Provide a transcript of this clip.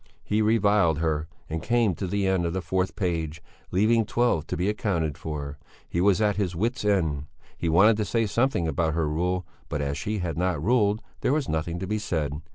He reviled her and came to the end of the fourth page, leaving twelve to be accounted for. He was at his wits' end. He wanted to say something about her rule, but as she had not ruled, there was nothing to be said.